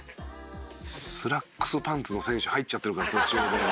「スラックスパンツの選手入っちゃってるから途中で」